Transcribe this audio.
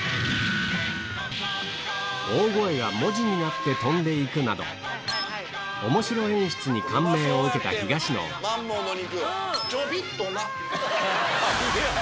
大声が文字になって飛んで行くなどおもしろ演出に感銘を受けた東野はちょびっとな。